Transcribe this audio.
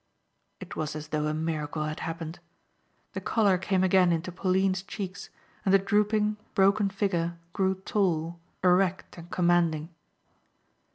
It was as though a miracle had happened. The color came again into Pauline's cheeks and the drooping, broken figure grew tall, erect and commanding.